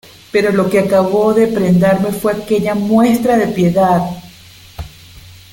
¡ pero lo que acabó de prendarme fue aquella muestra de piedad!